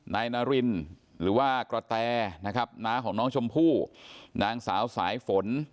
นายนารินหรือว่ากระแตนะครับน้าของน้องชมพู่นางสาวสายฝน